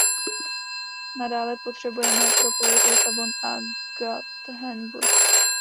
Nadále potřebujeme propojit Lisabon a Gothenburg.